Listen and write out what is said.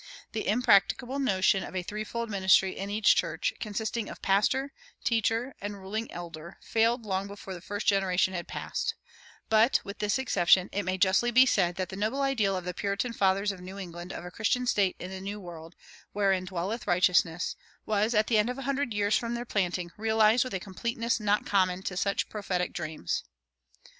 The impracticable notion of a threefold ministry in each church, consisting of pastor, teacher, and ruling elder, failed long before the first generation had passed; but, with this exception, it may justly be said that the noble ideal of the Puritan fathers of New England of a Christian state in the New World, "wherein dwelleth righteousness," was, at the end of a hundred years from their planting, realized with a completeness not common to such prophetic dreams.